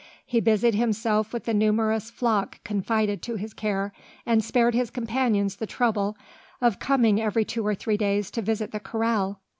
He busied himself with the numerous flock confided to his care, and spared his companions the trouble of coming every two or three days to visit the corral.